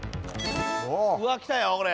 うわっきたよこれ。